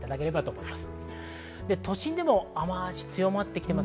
都心でも雨足が強まってきています。